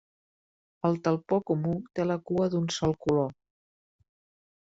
El talpó comú té la cua d'un sol color.